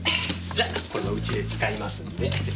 じゃこれはうちで使いますんで。